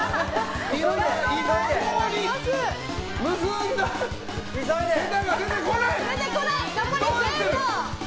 一向に結んだヘタが出てこない。